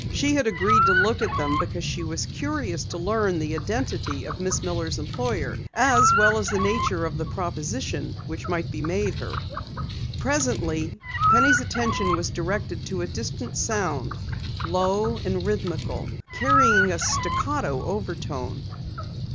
She had agreed to look at them because she was curious to learn the identity of Miss Miller's employer, as well as the nature of the proposition which might be made her. Presently, Penny's attention was directed to a distant sound, low and rhythmical, carrying a staccato overtone.